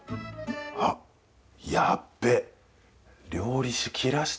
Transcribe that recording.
あっ、やっべー。